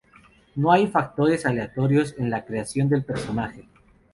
No hay factores aleatorios en la creación del personaje.